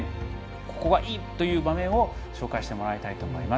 ここがいいという場面を紹介してもらいたいと思います。